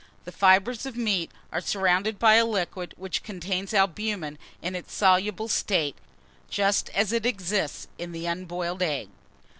The fibres of meat are surrounded by a liquid which contains albumen in its soluble state, just as it exists in the unboiled egg.